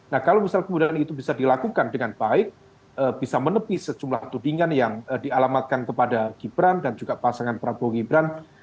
nah kalau misal kemudian itu bisa dilakukan dengan baik bisa menepis sejumlah tudingan yang dialamatkan kepada gibran dan juga pasangan prabowo gibran